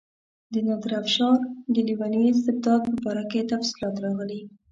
د نادرشاه افشار د لیوني استبداد په باره کې تفصیلات راغلي.